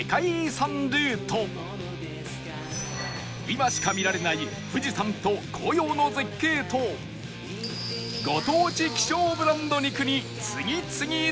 今しか見られない富士山と紅葉の絶景とご当地希少ブランド肉に次々出会う！